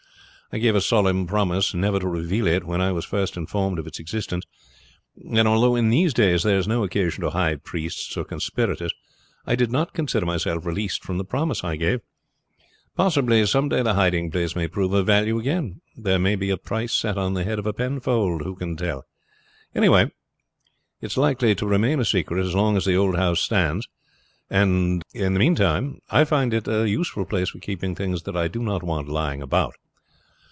I gave a solemn promise never to reveal it when I was first informed of its existence; and although in these days there is no occasion to hide priests or conspirators, I do not consider myself released from the promise I gave. Possibly some day the hiding place may prove of value again. There may be a price set on the head of a Penfold, who can tell? Anyhow it is likely to remain a secret as long as the old house stands; and in the meantime I find it a useful place for keeping things that I do not want lying about.'